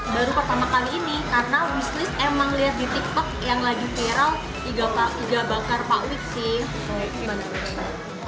baru pertama kali ini karena wishlis emang lihat di tiktok yang lagi viral iga bakar pawit sih